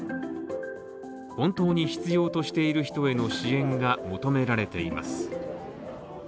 本当に必要としている人への支援が求められています。